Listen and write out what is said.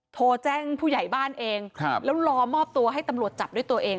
โทรแจ้งผู้ใหญ่บ้านเองแล้วรอมอบตัวให้ตำรวจจับด้วยตัวเอง